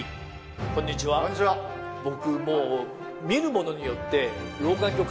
僕。